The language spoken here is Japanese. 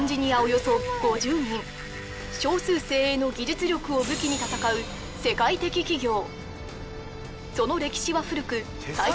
少数精鋭の技術力を武器に戦う世界的企業